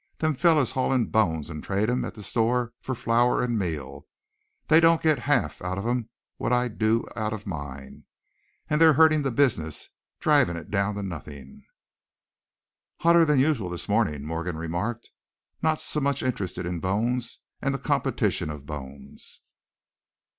Them fellers haul in bones and trade 'em at the store for flour and meal, they don't git half out of 'em what I do out of mine, and they're hurtin' the business, drivin' it down to nothin'." "Hotter than usual this morning," Morgan remarked, not so much interested in bones and the competition of bones.